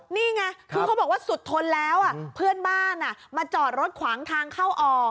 นี่ไงคือเขาบอกว่าสุดทนแล้วเพื่อนบ้านมาจอดรถขวางทางเข้าออก